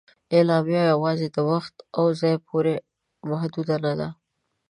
اعلامیه یواځې د وخت او ځای پورې محدود نه ده.